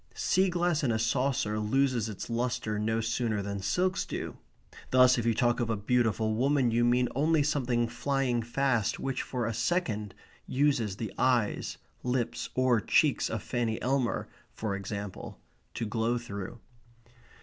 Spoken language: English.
Sea glass in a saucer loses its lustre no sooner than silks do. Thus if you talk of a beautiful woman you mean only something flying fast which for a second uses the eyes, lips, or cheeks of Fanny Elmer, for example, to glow through.